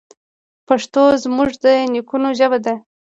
پښتو زموږ د نیکونو ژبه ده.